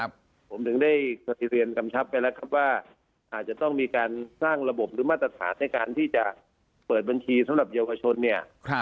ผมถึงได้ปฏิเรียนกำชับไปแล้วครับว่าอาจจะต้องมีการสร้างระบบหรือมาตรฐานในการที่จะเปิดบัญชีสำหรับเยาวชนเนี่ย